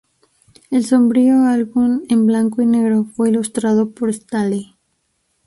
El sombrío álbum en blanco y negro fue ilustrado por Staley.